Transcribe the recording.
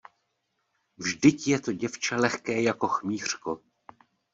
Vždyť je to děvče lehké jako chmýřko.